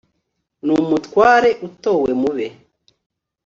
n'umutware utowe mu be